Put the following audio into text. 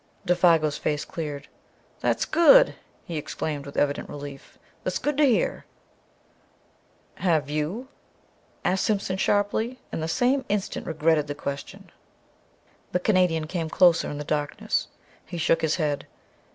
Défago's face cleared. "That's good!" he exclaimed with evident relief. "That's good to hear." "Have you?" asked Simpson sharply, and the same instant regretted the question. The Canadian came closer in the darkness. He shook his head.